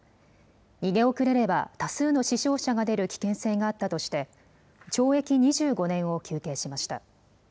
逃げ遅れれば、多数の死傷者が出る危険性があったとして、懲役２５年を求刑しました。